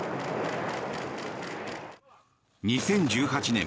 ２０１８年